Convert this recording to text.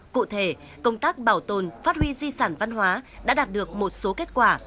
cụ thể công tác bảo tồn phát huy di sản văn hóa đã đạt được một số kết quả